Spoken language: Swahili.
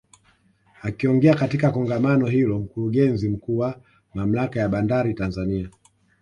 Akiongea katika Kongamano hilo Mkurugenzi Mkuu wa Mamlaka ya Bandari Tanzania